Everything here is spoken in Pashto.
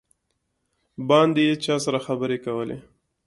باندې یې چا سره خبرې کولې.